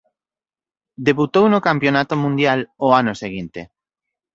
Debutou no Campionato Mundial o ano seguinte.